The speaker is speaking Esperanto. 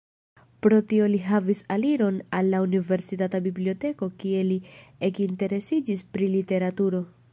Pro tio li havis aliron al la universitata biblioteko kie li ekinteresiĝis pri literaturo.